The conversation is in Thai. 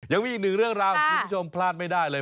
ยังมีอีกหนึ่งเรื่องราวของคุณผู้ชมพลาดไม่ได้เลย